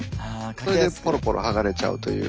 それでぽろぽろ剥がれちゃうという。